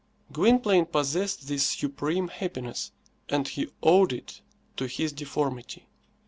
Gwynplaine possessed this supreme happiness, and he owed it to his deformity.